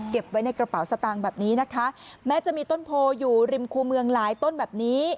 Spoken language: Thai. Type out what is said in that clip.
ไว้ในกระเป๋าสตางค์แบบนี้นะคะแม้จะมีต้นโพอยู่ริมคูเมืองหลายต้นแบบนี้